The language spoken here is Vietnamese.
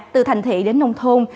từ thành thị đến nông thôn